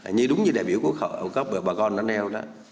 như đúng như đại biểu quốc hội ở góc bờ bà con đã nêu đó